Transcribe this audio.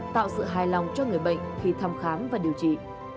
tạo sự hài lòng cho người bệnh khi thăm khám và điều trị